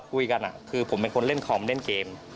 ผมเป็นคนเล่นคอมเด้นเกม